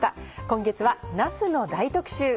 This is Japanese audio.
今月はなすの大特集。